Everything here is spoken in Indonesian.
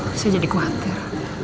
aduh saya jadi khawatir